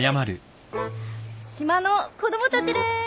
島の子供たちです！